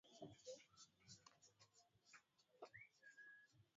mafuta ya taa kupata mwangaza huongezaIngawa athari yake